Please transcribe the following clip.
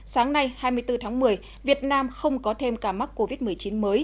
sáng nay hai mươi bốn tháng một mươi việt nam không có thêm ca mắc covid một mươi chín mới